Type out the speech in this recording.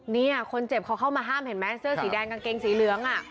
เนี่ยคนเจ็บเขาเข้ามาห้ามเห็นไหมเสื้อสีแดงกางเกงสีเหลืองอ่ะ